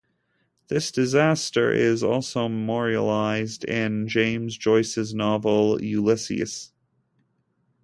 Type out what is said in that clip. This disaster is also memorialized in James Joyce's novel "Ulysses".